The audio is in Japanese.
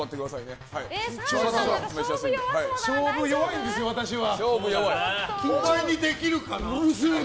勝負弱いんですよ、私は。